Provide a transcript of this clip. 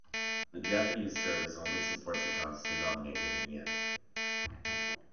The Japanese service only supports accounts denominated in yen.